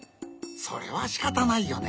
それはしかたないよね。